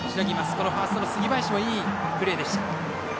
このファーストの杉林もいいプレーでした。